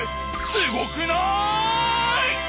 すごくない！？